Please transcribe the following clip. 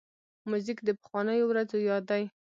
موزیک د پخوانیو ورځو یاد دی.